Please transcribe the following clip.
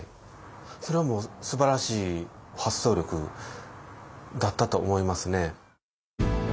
それはもうすばらしい発想力だったと思いますね。